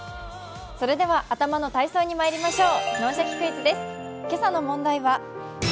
それでは頭の体操にまいりましょう。